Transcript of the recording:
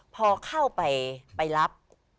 พอเข้าไปรับ